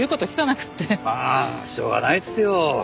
まあしょうがないですよ。